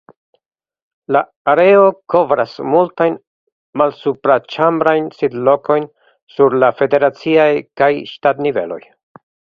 La areo kovras multajn malsupraĉambrajn sidlokojn sur la federaciaj kaj ŝtatniveloj.